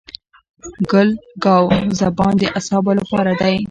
ګل ګاو زبان د اعصابو لپاره دی.